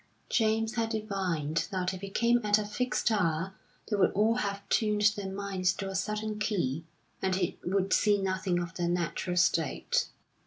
James had divined that if he came at a fixed hour they would all have tuned their minds to a certain key, and he would see nothing of their natural state.